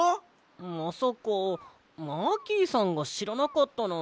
まさかマーキーさんがしらなかったなんて。